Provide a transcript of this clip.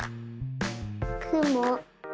くも。